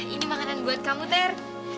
ini makanan buat kamu ter